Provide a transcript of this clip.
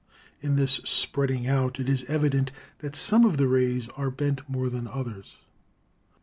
In this spreading out it is evident that some of the rays are bent more than others.